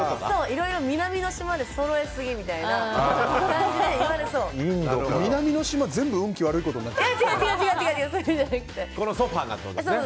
いろいろ南の島でそろえすぎみたいな感じで南の島運気悪いことになっちゃうよ。